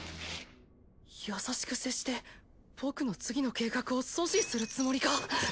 優しく接して僕の次の計画を阻止するつもりか？